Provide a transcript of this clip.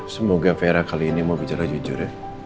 semoga vera kali ini mau bicara jujur ya